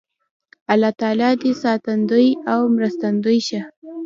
الله تعالی دې ساتندوی او مرستندوی شه